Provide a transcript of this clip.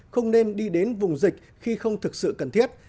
không nên đi đến vùng dịch khi không thực sự cần thiết